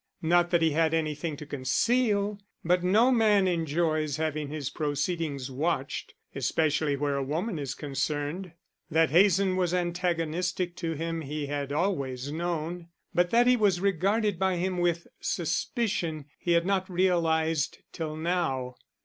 Not that he had any thing to conceal, but no man enjoys having his proceedings watched, especially where a woman is concerned. That Hazen was antagonistic to him he had always known; but that he was regarded by him with suspicion he had not realized till now.